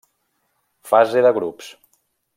Fase de grups.